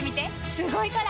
すごいから！